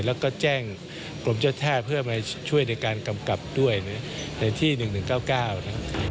แล้วก็แจ้งกรมเจ้าท่าเพื่อมาช่วยในการกำกับด้วยในที่๑๑๙๙นะครับ